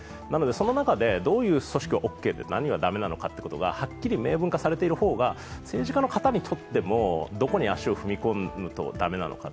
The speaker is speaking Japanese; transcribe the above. その中でどういう組織はオーケーで、何はだめなのかっていうことがはっきり明文化されていれば政治家の方にとっても、どこに足を踏み込むとだめなのか